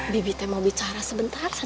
bibitnya mau bicara sebentar